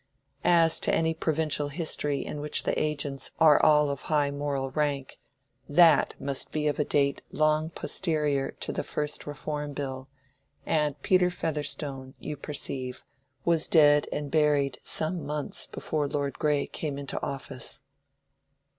As to any provincial history in which the agents are all of high moral rank, that must be of a date long posterior to the first Reform Bill, and Peter Featherstone, you perceive, was dead and buried some months before Lord Grey came into office.